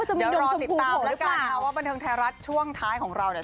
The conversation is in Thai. เดี๋ยวรอติดตามแล้วกันค่ะว่าบันเทิงไทยรัฐช่วงท้ายของเราเนี่ย